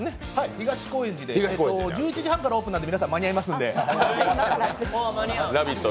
東高円寺で１１時半からオープンなんで皆さん、間に合いますんで「ラヴィット！」